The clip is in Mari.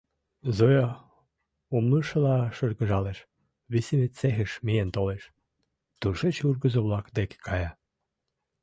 Зоя умылышыла шыргыжалеш, висыме цехыш миен толеш, тушеч ургызо-влак деке кая.